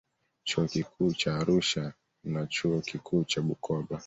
Chuo Kikuu cha Arusha na Chuo Kikuu cha Bukoba